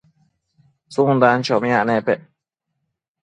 tsundan chomiac nepec